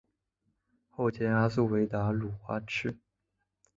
后兼阿速卫达鲁花赤。